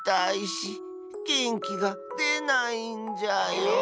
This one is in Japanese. げんきがでないんじゃよ。